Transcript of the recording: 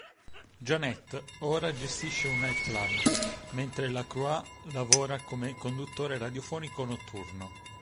Janette ora gestisce un night club, mentre LaCroix lavora come conduttore radiofonico notturno.